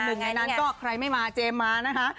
ในนั้นก็ใครไม่มาเจมมานะฮะ